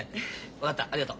分かったありがとう。